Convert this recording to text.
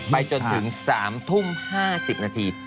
ไปจนถึง๓ทุ่ม๕๐นาที